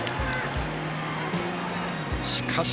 しかし、